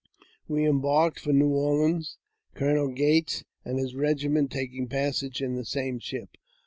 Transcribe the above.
We embarked for New Orleans, Colonel Gates and his regiment taking passage in the same ship.